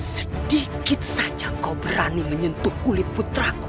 sedikit saja kau berani menyentuh kulit putraku